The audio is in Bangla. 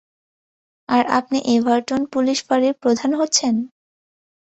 আর আপনি এভারটন পুলিশ ফাঁড়ির প্রধান হচ্ছেন?